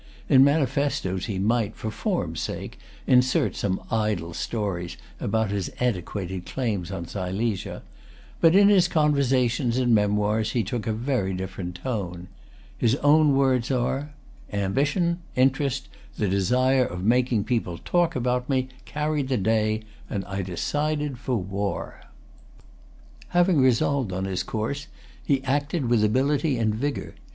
In manifestoes he might, for form's sake, insert some idle stories about his antiquated claim on Silesia; but in his conversations and Memoirs he took a[Pg 261] very different tone. His own words are: "Ambition, interest, the desire of making people talk about me, carried the day; and I decided for war." Having resolved on his course, he acted with ability and vigor.